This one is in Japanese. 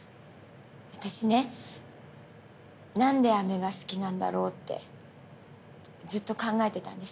私ね何であめが好きなんだろうってずっと考えてたんです。